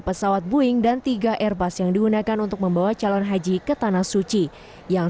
pesawat boeing dan tiga airbus yang digunakan untuk membawa calon haji ke tanah suci yang